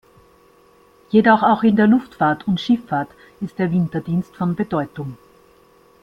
Jedoch auch in der Luftfahrt und Schifffahrt ist der Winterdienst von Bedeutung.